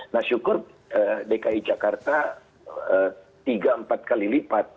nah syukur dki jakarta tiga empat kali lipat